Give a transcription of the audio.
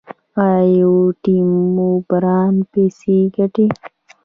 آیا یوټیوبران پیسې ګټي؟